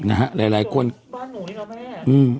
นะฮะหลายหลายคนบ้านหนูนี่นะแม่อืม